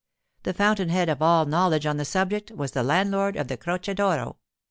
The fountainhead of all knowledge on the subject was the landlord of the Croce d'Oro.